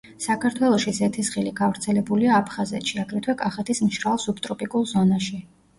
საქართველოში ზეთისხილი გავრცელებულია აფხაზეთში, აგრეთვე კახეთის მშრალ სუბტროპიკულ ზონაში.